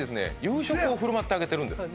夕食を振る舞ってあげてるんです